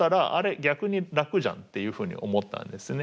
逆に楽じゃん」っていうふうに思ったんですね。